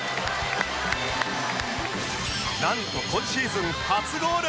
なんと今シーズン初ゴール！